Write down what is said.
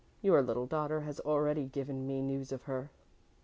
Your little daughter has already given me news of her."